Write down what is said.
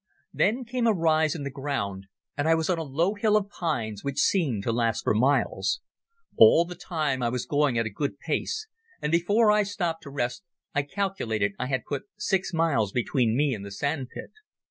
Then came a rise in the ground and I was on a low hill of pines which seemed to last for miles. All the time I was going at a good pace, and before I stopped to rest I calculated I had put six miles between me and the sandpit.